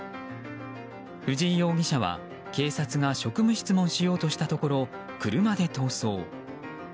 藤井容疑者は、警察が職務質問しようとしたところ車で逃走。